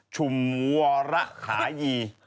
ชุมวัวระขายี